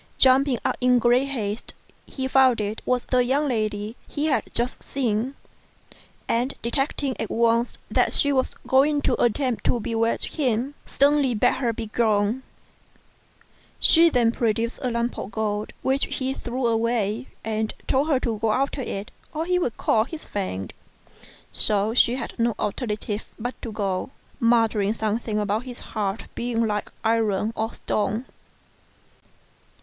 Jumping up in great haste, he found it was the young lady he had just seen; and detecting at once that she was going to attempt to bewitch him, sternly bade her begone. She then produced a lump of gold which he threw away, and told her to go after it or he would call his friend. So she had no alternative but to go, muttering something about his heart being like iron or stone.